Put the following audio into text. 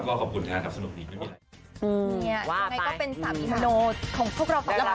ก็ดีครับเพราะว่าก็อย่างที่บอกว่า